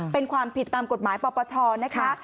เป็นความผิดตามกฎหมายปปชนะคะ